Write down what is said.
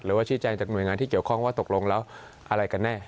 หรือว่าชี้แจงจากหน่วยงานที่เกี่ยวข้องว่าตกลงแล้วอะไรกันแน่